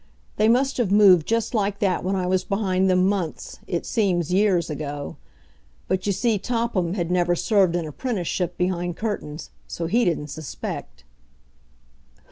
They must have moved just like that when I was behind them months it seems years ago. But, you see, Topham had never served an apprenticeship behind curtains, so he didn't suspect.